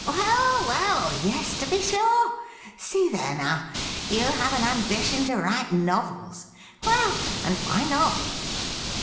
' Well, well ! yes, to be sure ! See there now ! You have an ambition to write novels ! Well, and why not?'